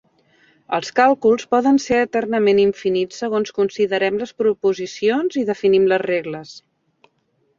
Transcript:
Els càlculs poden ser eternament infinits segons considerem les proposicions i definim les regles.